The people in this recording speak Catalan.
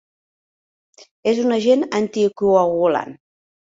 És un agent anticoagulant.